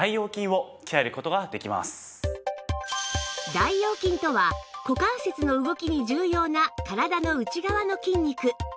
大腰筋とは股関節の動きに重要な体の内側の筋肉